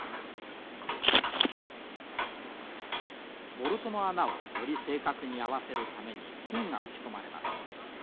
ボルトの穴をより正確に合わせるためにピンが打ち込まれます。